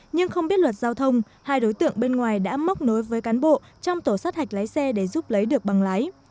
nhưng không biết luật giao thông hai đối tượng bên ngoài đã móc nối với cán bộ trong tổ sát hạch lái xe để giúp lấy được bằng lái